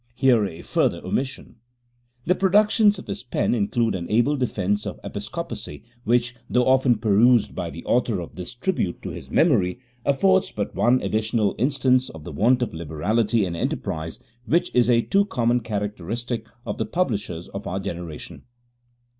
[Here a further omission.] The productions of his pen include an able defence of Episcopacy, which, though often perused by the author of this tribute to his memory, afford but one additional instance of the want of liberality and enterprise which is a too common characteristic of the publishers of our generation.